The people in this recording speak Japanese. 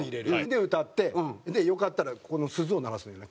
で歌って良かったらこの鈴を鳴らすのね